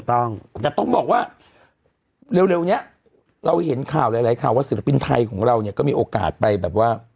ถูกต้องแต่ต้องบอกว่าเร็วนี้เราเห็นข่าวหลายข่าวว่าศิลปินไทยของเราเนี่ยก็มีโอกาสไปแบบว่า